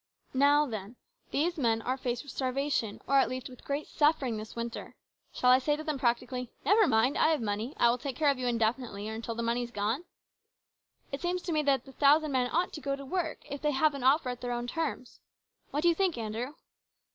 Now, then, these men are faced with starva tion, or, at least, with great suffering this winter. Shall I say to them, practically, ' Never mind, I have money ; I will take care of you indefinitely, or until the money is gone ?' It seems to me that the thousand men ought to go to work if they have an offer at their own terms. What do you think, Andrew